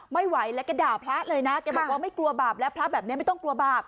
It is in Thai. ไม่ไหวแล้วแกด่าพระเลยนะแกบอกว่าไม่กลัวบาปแล้วพระแบบนี้ไม่ต้องกลัวบาป